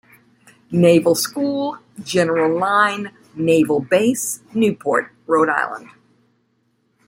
Naval School, General Line, Naval Base, Newport, Rhode Island.